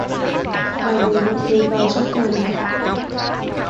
bà mời mọi người vào trong nhà